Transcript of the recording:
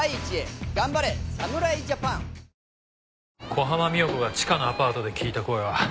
小浜三代子がチカのアパートで聞いた声は。